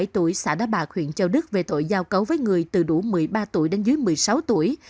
hai mươi tuổi xã đá bạc huyện châu đức về tội giao cấu với người từ đủ một mươi ba tuổi đến dưới một mươi sáu tuổi